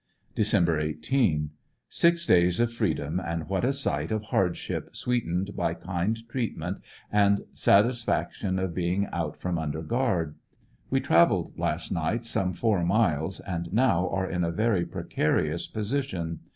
Dec. 18. — Six days of freedom and what a sight of hardship, ♦sweetened by kind treatment and the satisfaction of being out from vinder guard. We traveled last night some four miles and now are in a very precarious position.